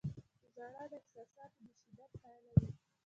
• ژړا د احساساتو د شدت پایله وي.